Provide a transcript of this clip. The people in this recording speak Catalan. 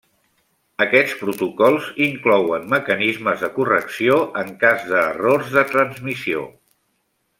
Aquests protocols inclouen mecanismes de correcció en cas d'errors de transmissió.